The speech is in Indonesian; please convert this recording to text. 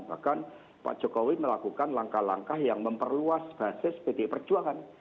bahkan pak jokowi melakukan langkah langkah yang memperluas basis pdi perjuangan